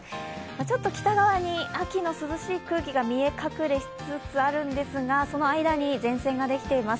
ちょっと北側に秋の涼しい空気が見え隠れしつつあるんですがその間に前線ができています。